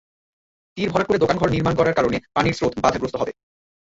তীর ভরাট করে দোকানঘর নির্মাণ করার কারণে পানির স্রোত বাধাগ্রস্ত হবে।